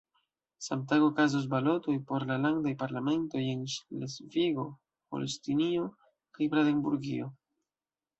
Samtage okazos balotoj por la landaj parlamentoj en Ŝlesvigo-Holstinio kaj Brandenburgio.